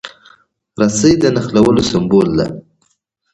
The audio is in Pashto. رسۍ د نښلولو سمبول ده.